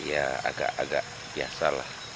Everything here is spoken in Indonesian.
ya agak agak biasa lah